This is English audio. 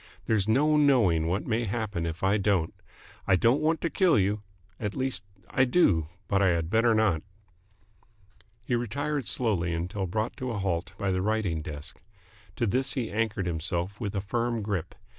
"There's no knowing what may happen if I don't. I don't want to kill you. At least, I do, but I had better not." He retired slowly until brought to a halt by the writing desk. To this he anchored himself with a firm grip.